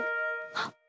あっ！